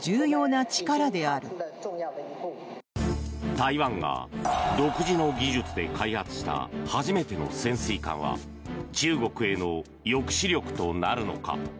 台湾が独自の技術で開発した初めての潜水艦は中国への抑止力となるのか。